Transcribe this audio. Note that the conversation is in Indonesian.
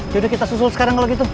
yaudah kita susul sekarang kalau gitu